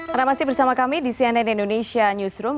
anda masih bersama kami di cnn indonesia newsroom